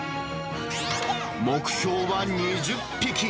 目標は２０匹。